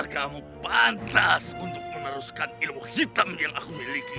kamu pantas untuk meneruskan ilmu hitam yang aku miliki